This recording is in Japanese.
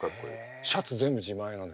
シャツ全部自前なの。